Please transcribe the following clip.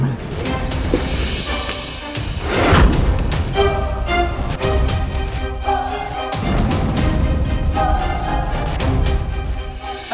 sebentar ya mbak